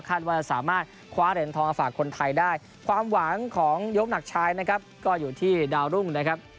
ว่าจะสามารถคว้าเหรียญทองมาฝากคนไทยได้ความหวังของยกหนักชายนะครับก็อยู่ที่ดาวรุ่งนะครับ